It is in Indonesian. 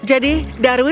ya jadi darwin akan kembali